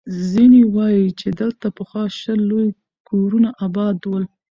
ځيني وایي، چې دلته پخوا شل لوی کورونه اباد ول.